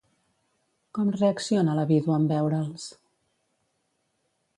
Com reacciona la vídua en veure'ls?